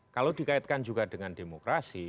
kalau dikaitkan juga dengan demokrasi